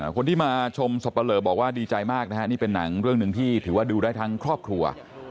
คนที่มาชมสับปะเลอบอกว่าดีใจมากนะฮะนี่เป็นหนังเรื่องหนึ่งที่ถือว่าดูได้ทั้งครอบครัว